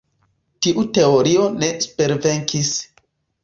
Tiu teorio ne supervenkis.